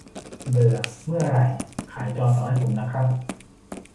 เบื่อ เมื่อไหร่ ขายจอต่อให้ผมนะครับ